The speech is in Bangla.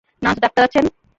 নার্স, ডাক্তার আছেন?